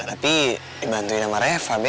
tapi dibantuin sama reva be